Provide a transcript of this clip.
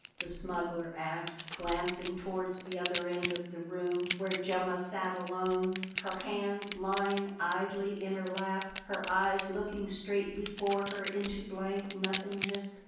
the smuggler asked, glancing towards the other end of the room, where Gemma sat alone, her hands lying idly in her lap, her eyes looking straight before her into blank nothingness.